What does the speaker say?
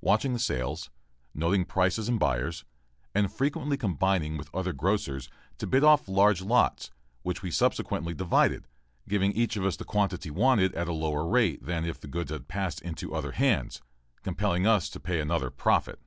watching the sales, noting prices and buyers, and frequently combining with other grocers to bid off large lots, which we subsequently divided, giving each of us the quantity wanted at a lower rate than if the goods had passed into other hands, compelling us to pay another profit.